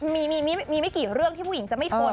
มีไม่กี่เรื่องที่ผู้หญิงจะไม่ทน